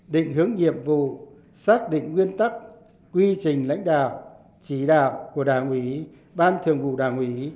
định hướng nhiệm vụ xác định nguyên tắc quy trình lãnh đạo chỉ đạo của đảng ủy ban thường vụ đảng ủy